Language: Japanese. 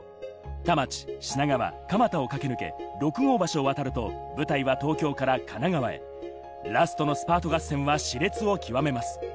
田町、品川、蒲田を駆け抜け六郷橋を渡ると舞台は東京から神奈川へ、ラストのスパート合戦はし烈をきわめます。